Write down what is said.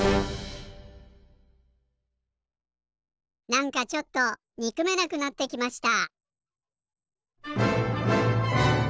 なんかちょっとにくめなくなってきました。